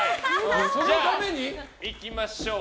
じゃあ、いきましょう。